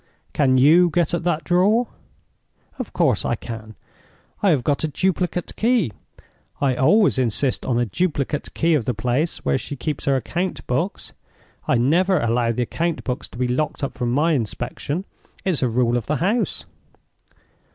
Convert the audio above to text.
"Can you get at that drawer?" "Of course I can. I have got a duplicate key—I always insist on a duplicate key of the place where she keeps her account books. I never allow the account books to be locked up from my inspection: it's a rule of the house."